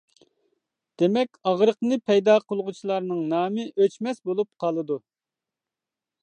دېمەك ئاغرىقنى پەيدا قىلغۇچىلارنىڭ نامى ئۆچمەس بولۇپ قالىدۇ.